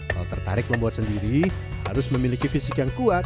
kalau tertarik membuat sendiri harus memiliki fisik yang kuat